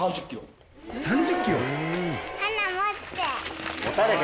３０キロ！